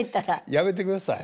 やめてください。